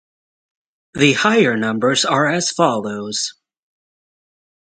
The higher numbers are as follows.